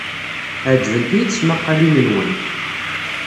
Ɛejbent-iyi tesmaqqalin-nwent.